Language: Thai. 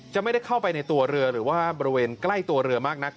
ไม่ได้เข้าไปในตัวเรือหรือว่าบริเวณใกล้ตัวเรือมากนัก